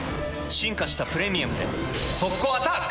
進化した「プレミアム」で速攻アタック！